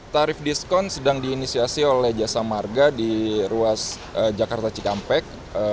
tarif diskon sedang diinisiasi oleh jasa marga di ruas jakarta cikampek